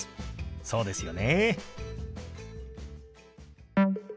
そうですよね。